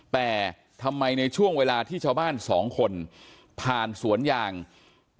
แต่ทำไมในช่วงเวลาที่ชาวบ้านสองคนผ่านสวนยาง